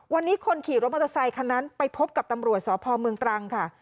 วันนี้คนขี่รถมอเตอร์ไซคันนั้นไปพบกับตำรวจสพเมืองตรังค่ะ